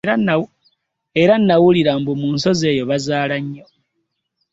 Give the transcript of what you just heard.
Era nawulira mbu mu nsozi eyo bazaala nnyo.